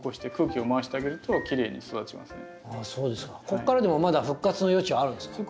ここからでもまだ復活の余地はあるんですか？